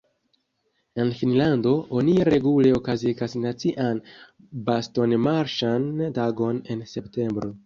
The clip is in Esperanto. En Finnlando oni regule okazigas nacian bastonmarŝan tagon en septembro.